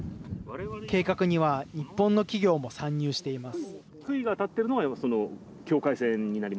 計画には日本の企業も参入しています。